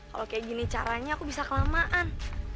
kalo kaya gini caranya aku bisa kelamaan